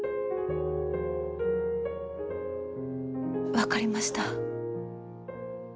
分かりました。